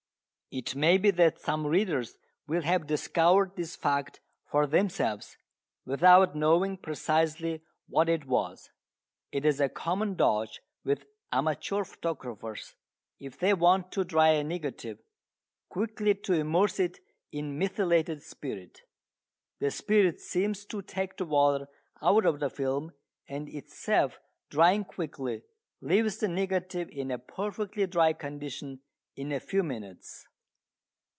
It may be that some readers will have discovered this fact for themselves without knowing precisely what it was. It is a common dodge with amateur photographers if they want to dry a negative quickly to immerse it in methylated spirit. The spirit seems to take the water out of the film and, itself drying quickly, leaves the negative in a perfectly dry condition in a few minutes.